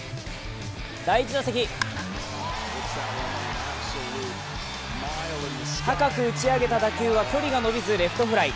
第１打席高く打ち上げた打球は距離が伸びずレフトフライ。